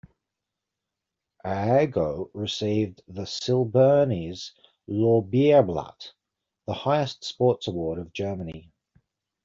Aogo received the Silbernes Lorbeerblatt; the highest sports award of Germany.